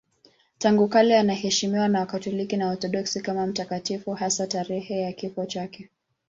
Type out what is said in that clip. Tangu kale anaheshimiwa na Wakatoliki na Waorthodoksi kama mtakatifu, hasa tarehe ya kifo chake.